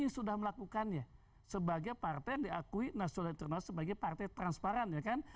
sudah melakukannya sebagai partai yang diakui nasional sebagai partai transparan ya kan